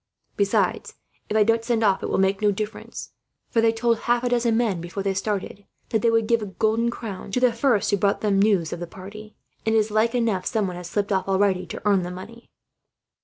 "'Besides, if I don't send off it will make no difference; for they told half a dozen men, before they started, that they would give a gold crown to the first who brought them news of the party; and it is like enough someone has slipped off, already, to earn the money.